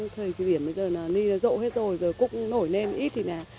thời kỷ biển bây giờ là ni rộ hết rồi giờ cúc nổi lên ít thì nè